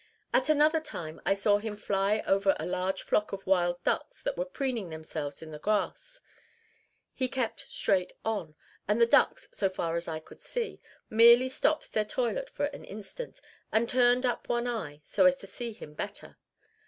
At another time I saw him fly over a large flock of wild ducks that were preening themselves in the grass. He kept straight on; and the ducks, so far as I could see, merely stopped their toilet for an instant, and turned up one eye so as to see him better.